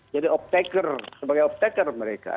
jadi optaker sebagai optaker mereka